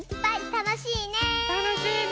たのしいね！